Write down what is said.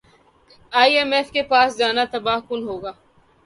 ئی M F کے پاس جانا تباہ کن ہوگا